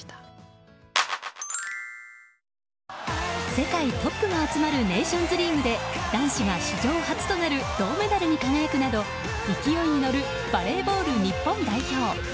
世界トップが集まるネーションズリーグで男子が史上初となる銅メダルに輝くなど勢いに乗るバレーボール日本代表。